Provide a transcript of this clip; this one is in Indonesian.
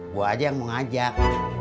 gue aja yang mau ngajak